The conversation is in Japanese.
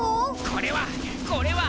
これは！